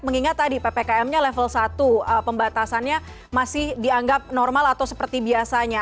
mengingat tadi ppkm nya level satu pembatasannya masih dianggap normal atau seperti biasanya